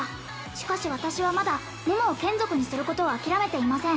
「しかし私はまだ」「桃を眷属にすることを諦めていません！！」